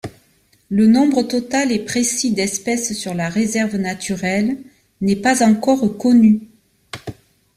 Le nombre total et précis d'espèces sur la réserve naturelle n'est pas encore connu.